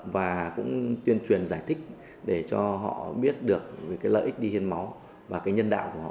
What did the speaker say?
và cũng tuyên truyền giải thích để cho họ biết được lợi ích đi hiến máu và nhân đạo của họ